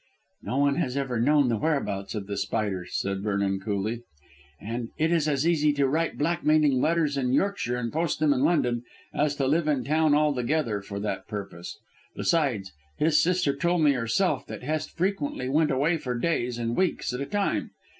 "No one has ever known the whereabouts of The Spider," said Vernon coolly, "and it is as easy to write blackmailing letters in Yorkshire and post them in London as to live in town altogether for that purpose. Besides, his sister told me herself that Hest frequently went away for days and weeks at a time.